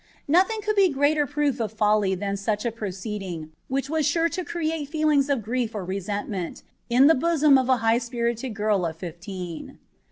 Nothing could be a greater proof of H than such a proceeding, which was sure to create feelings of gritf resentment, in the bosom of a high spirited girl of fifteen.